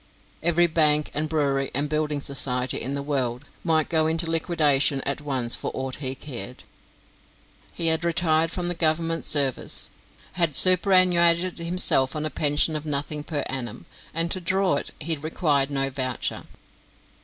Every bank, and brewery, and building society in the world might go into liquidation at once for aught he cared. He had retired from the Government service, had superannuated himself on a pension of nothing per annum, and to draw it he required no voucher.